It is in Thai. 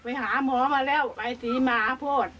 ไปหาหมอมาแล้วไปศรีมหาโพธิ